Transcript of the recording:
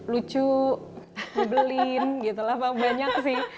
lucu dibelin banyak sih